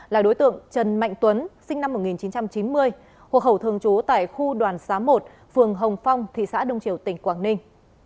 là đối tượng trần mạnh tuấn sinh năm một nghìn chín trăm chín mươi hồ khẩu thường trú tại khu đoàn xá một phường hồng phong thị xã đông triều tỉnh quảng ninh